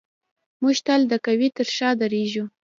موږ تل د قوي تر شا درېږو.